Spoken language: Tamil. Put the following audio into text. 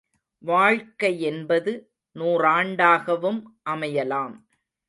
வாழ்க்கையென்பது நூறாண்டாகவும் அமையலாம்.